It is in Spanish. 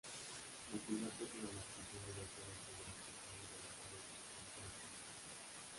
El piloto es una adaptación directa del primer episodio de la serie británica original.